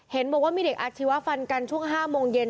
เห็นบอกว่ามีเด็กอาชีวะฟันกันช่วง๕โมงเย็น